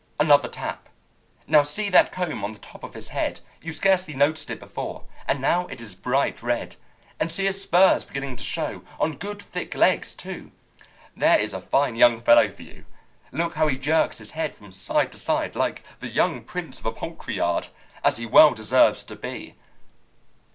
"Another tap. Now see that comb on the top of his head; you scarcely noticed it before, and now it is bright red. And see his spurs beginning to show on good thick legs, too. There is a fine young fellow for you! Look how he jerks his head from side to side, like the young prince of a poultry yard, as he well deserves to be!"